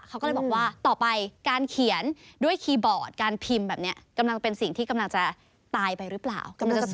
เขาก็เลยบอกว่าต่อไปการเขียนด้วยคีย์บอร์ดการพิมพ์แบบนี้กำลังเป็นสิ่งที่กำลังจะตายไปหรือเปล่า